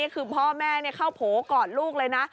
คือพ่อแม่เข้าโผล่กอดลูกเลยนะ